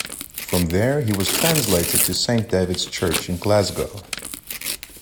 From there he was translated to Saint David's Church in Glasgow.